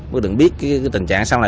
bố tượng biết cái tình trạng sau này